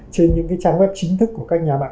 trên những cái trang web chính thức của các nhà bạn